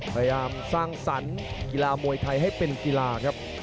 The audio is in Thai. พยายามสร้างสรรค์กีฬามวยไทยให้เป็นกีฬาครับ